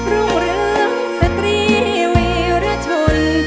รุ่งเรืองสตรีเวรชน